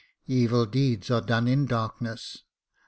Evil deeds are done in darkness.